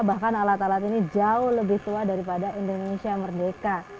bahkan alat alat ini jauh lebih tua daripada indonesia merdeka